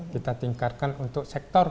kita tingkatkan untuk sektor